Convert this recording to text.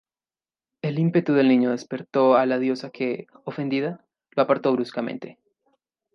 El ímpetu del niño despertó a la diosa que, ofendida, lo apartó bruscamente.